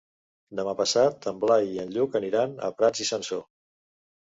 Demà passat en Blai i en Lluc aniran a Prats i Sansor.